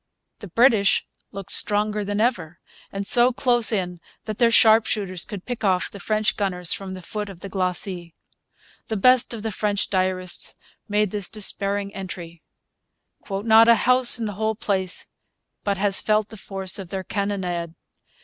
The British looked stronger than ever, and so close in that their sharpshooters could pick off the French gunners from the foot of the glacis. The best of the French diarists made this despairing entry: 'Not a house in the whole place but has felt the force of their cannonade.